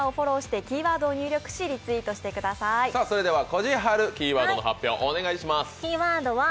こじはる、キーワードの発表をお願いします。